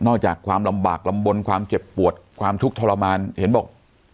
จากความลำบากลำบลความเจ็บปวดความทุกข์ทรมานเห็นบอก